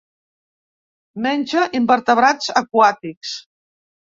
Menja invertebrats aquàtics.